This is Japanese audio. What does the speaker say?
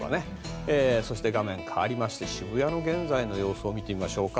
そして、画面が変わりまして渋谷の現在の様子をご覧いただきましょうか。